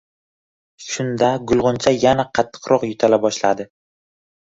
Shunda gulg‘uncha yana qattiqroq yo‘tala boshladi: